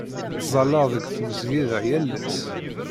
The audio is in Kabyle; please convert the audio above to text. Ttẓallaɣ deg tmesgida yal ass.